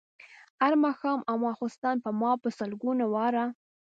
هر ماښام او ماخوستن به ما په سلګونو واره.